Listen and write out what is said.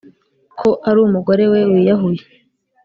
ko ar’umugorewe wiyahuye?